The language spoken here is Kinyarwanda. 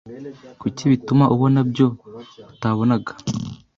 kuko bituma ubona byo utabonaga